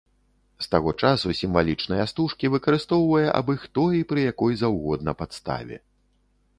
З таго часу сімвалічныя стужкі выкарыстоўвае абы-хто і пры якой заўгодна падставе.